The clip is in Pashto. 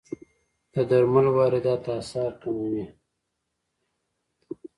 د درملو واردات اسعار کموي.